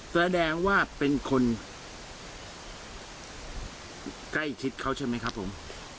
แสดงว่าเป็นคนใกล้ชิดเขาใช่ไหมครับผม